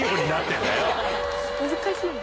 難しい。